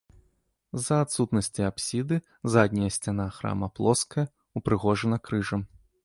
З-за адсутнасці апсіды задняя сцяна храма плоская, упрыгожана крыжам.